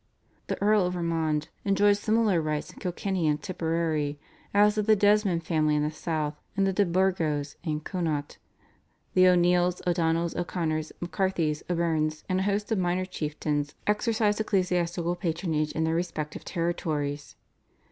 The Earl of Ormond enjoyed similar rights in Kilkenny and Tipperary, as did the Desmond family in the South, and the De Burgos in Connaught. The O'Neills, O'Donnells, O'Connors, McCarthys, O'Byrnes, and a host of minor chieftains, exercised ecclesiastical patronage in their respective territories.